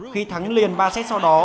khi thắng liền ba set sau đó